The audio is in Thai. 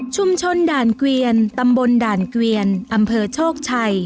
ด่านเกวียนตำบลด่านเกวียนอำเภอโชคชัย